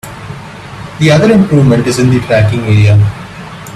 The other improvement is in the tracking area.